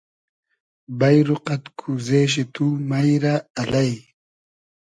بݷرو قئد کوزې شی تو مݷ رۂ الݷ